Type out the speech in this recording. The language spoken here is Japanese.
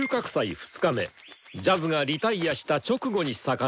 ２日目ジャズが脱落した直後に遡る。